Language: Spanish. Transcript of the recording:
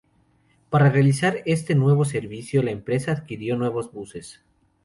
Para realizar este nuevo servicio la empresa adquirió nuevos buses.